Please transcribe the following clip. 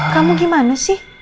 kamu gimana sih